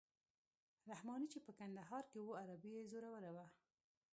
رحماني چې په کندهار کې وو عربي یې زوروره وه.